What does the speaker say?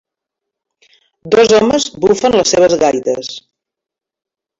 Dos home bufen les seves gaites.